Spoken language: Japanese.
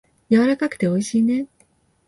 やわらかくておいしいね。